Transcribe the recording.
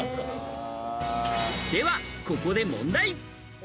ではここで問題。